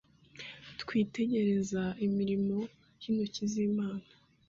twitegereza imirimo y’intoki z’Imana